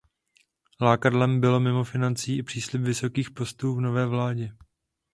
Lákadlem byl mimo financí i příslib vysokých postů v nové vládě.